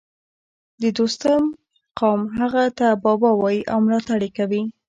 د دوستم قوم هغه ته بابا وايي او ملاتړ یې کوي